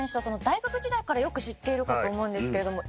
大学時代からよく知っているかと思うんですけれども。